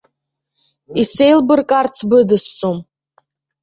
Исеилбыркаарц быдысҵом.